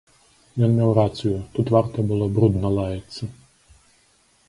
Ён меў рацыю, тут варта было брудна лаяцца.